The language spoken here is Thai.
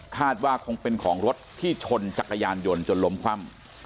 ว่าคงเป็นของรถที่ชนจักรยานยนต์จนล้มคว่ำ